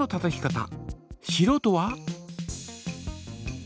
しろうとは？